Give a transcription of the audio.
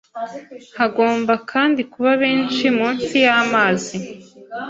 Hagomba kandi kuba benshi munsi y'amazi